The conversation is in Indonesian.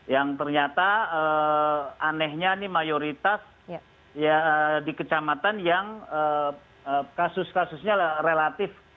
yang ternyata anehnya ini mayoritas di kecamatan yang kasus kasusnya relatif